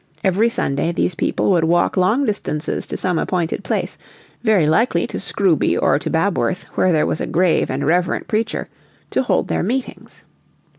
Every Sunday these people would walk long distances to some appointed place, very likely to Scrooby, or to Babworth, where there was a grave and reverent preacher, to hold their meetings.